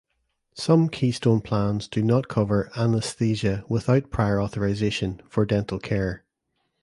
Some Keystone plans do not cover "anesthesia without prior authorization" for dental care.